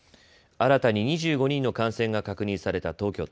新たに２５人の感染が確認された東京都。